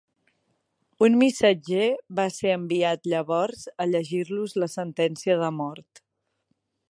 Un missatger va ser enviat llavors a llegir-los la sentència de mort.